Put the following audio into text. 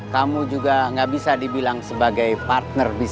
kamu juga gak bisa dibilang sebagai partner bisnis